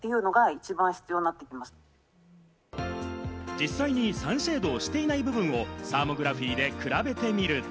実際にサンシェードをしていない部分をサーモグラフィーで比べてみると。